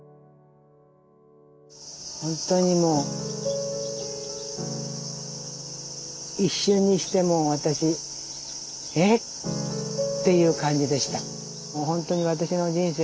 本当にもう一瞬にしてもう私えっていう感じでした。